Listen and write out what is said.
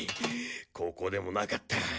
ここでもなかった。